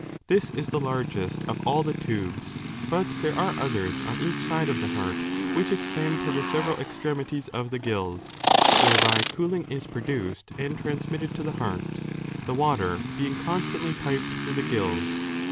This is the largest of all the tubes, but there are others on each side of the heart which extend to the several extremities of the gills, whereby cooling is produced and transmitted to the heart, the water being constantly piped through 5 the gills.